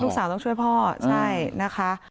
สาวต้องช่วยพ่อใช่นะคะ